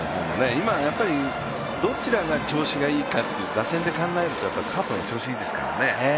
今、やっぱりどちらが調子がいいかと考えるとカープの方が調子がいいですからね。